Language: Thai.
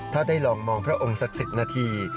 ถ้าได้ลองมองพระองค์สักสิบนาที